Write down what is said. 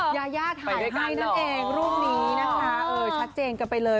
ยายาถ่ายใกล้นั่นเองรูปนี้นะคะเออชัดเจนกันไปเลย